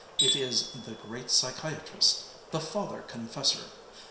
It is the Great Psychiatrist the Father Confessor.